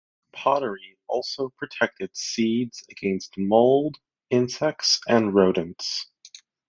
Pottery also protected seeds against mold, insects, and rodents.